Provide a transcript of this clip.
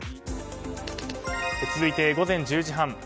続いて午前１０時半。